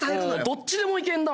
どっちでもいけるな。